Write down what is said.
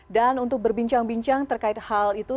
dan untuk berbincang bincang terkait hal itu